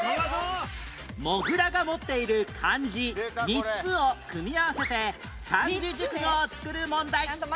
モグラが持っている漢字３つを組み合わせて三字熟語を作る問題